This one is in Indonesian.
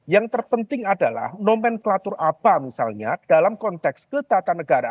yang terpenting adalah nomenklatur apa misalnya dalam konteks ketatanegaraan